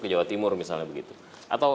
ke jawa timur misalnya begitu atau